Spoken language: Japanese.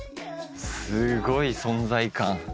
すごい存在感。